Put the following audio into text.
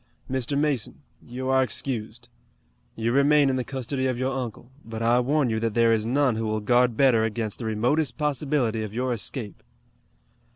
Mr. Mason, you are excused. You remain in the custody of your uncle, but I warn you that there is none who will guard better against the remotest possibility of your escape."